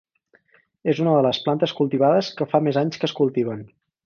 És una de les plantes cultivades que fa més anys que es cultiven.